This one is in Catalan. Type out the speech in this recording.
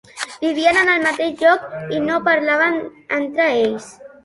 Vivien en el mateix lloc i no parlaven entre ells.